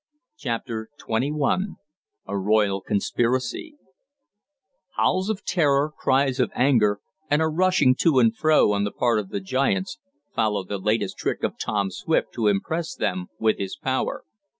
CHAPTER XXI A ROYAL CONSPIRACY Howls of terror, cries of anger, and a rushing to and fro on the part of the giants, followed the latest trick of Tom Swift to impress them with his power.